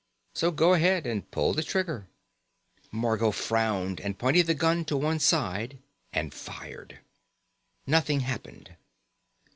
So go ahead and pull the trigger." Margot frowned and pointed the gun to one side and fired. Nothing happened.